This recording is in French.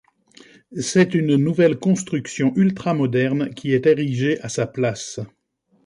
C'est une nouvelle construction ultra-moderne qui est érigée à sa place.